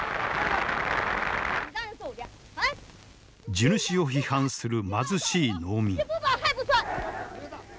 地主を批判する貧しい農民。